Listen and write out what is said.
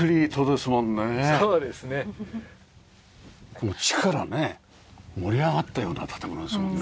この地からね盛り上がったような建物ですもんね。